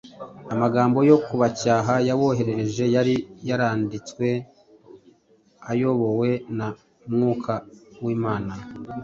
Amagambo yo kubacyaha yaboherereje yari yaranditswe ayobowe na Mwuka w’Imana